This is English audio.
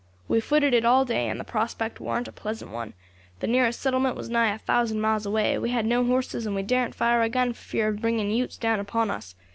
"We footed it all day, and the prospect warn't a pleasant one. The nearest settlement was nigh a thousand miles away, we had no horses, and we daren't fire a gun for fear of bringing Utes down upon us.